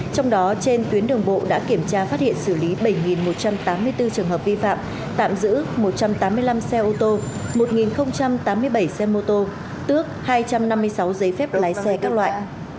trong đó trên tuyến đường bộ đã kiểm tra phát hiện xử lý bảy một trăm tám mươi bốn trường hợp vi phạm tạm giữ một trăm tám mươi năm xe ô tô một tám mươi bảy xe mô tô tước hai trăm năm mươi sáu giấy phép lái xe các loại